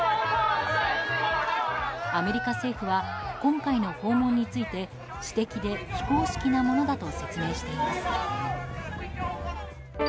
アメリカ政府は今回の訪問について私的で非公式なものだと説明しています。